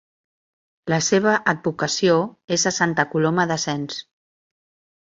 La seva advocació és a Santa Coloma de Sens.